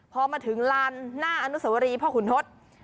พอมาถึงลานหน้าอนุสวรีพ่อขุนทศ